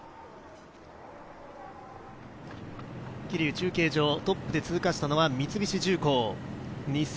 桐生中継所をトップで通過したのは三菱重工。